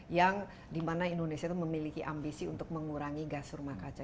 yang dimana indonesia itu memiliki ambisi untuk mengurangi gas rumah kaca